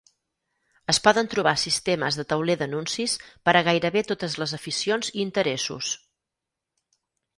Es poden trobar sistemes de tauler d'anuncis per a gairebé totes les aficions i interessos.